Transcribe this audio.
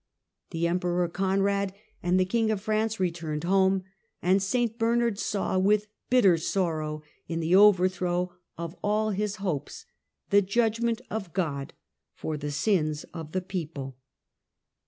The Emperor Conrad and the King of France returned home, and St Bernard saw, with bitter sorrow, in the overthrow of all his hopes, the judgment of God for the sins of the people.